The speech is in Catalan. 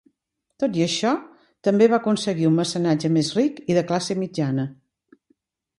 Tot i això, també va aconseguir un mecenatge més ric i de classe mitjana.